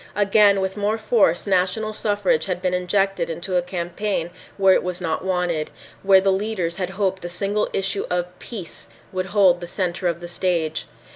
Again, with more force, national suffrage had been injected into a campaign where it was not wanted, where the leaders had hoped the single issue of "peace" would hold the center of the stage.